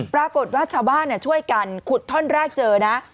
ปรากฏว่าชาวบ้านช่วยกันขุดท่อนแรกเจอนะ